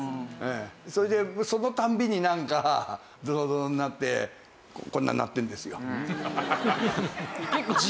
それでその度になんかドロドロになってこんなんになってるんですよ。